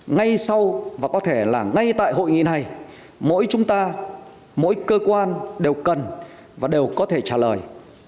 ngay sau và có thể là ngay tại hội nghị này mỗi chúng ta mỗi cơ quan đều cần và đều có thể trả lời